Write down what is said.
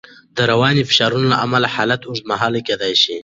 د رواني فشارونو له امله حالت اوږدمهاله کېدای شي.